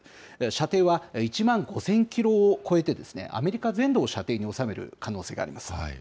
射程は１万５０００キロを超えて、アメリカ全土を射程に収める可能性があります。